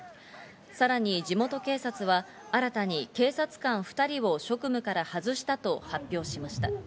さらに地元警察は、新たに警察官２人を職務から外したと発表しました。